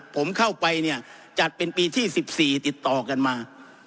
ผมเข้าไปเนี่ยจัดเป็นปีที่๑๔ติดต่อกันมา